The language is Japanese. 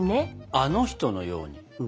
あの人のように？